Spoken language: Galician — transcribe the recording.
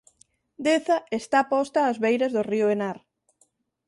Deza está posta ás beiras do río Henar.